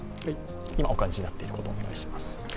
今お感じになっていることをお願いします。